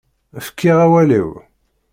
Fkiɣ awal-iw.